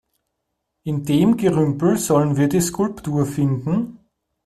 In dem Gerümpel sollen wir die Skulptur finden?